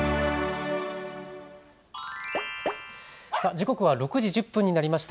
時刻は６時１０分になりました。